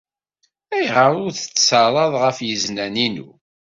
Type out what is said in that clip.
Ayɣer ur d-tettarraḍ ɣef yiznan-inu?